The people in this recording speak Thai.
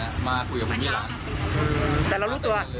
อืมมาเต็มเงินเลยแต่เรารู้ตัว